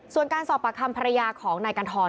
ส่วนการสอบปากคำภรรยาของนายกันทร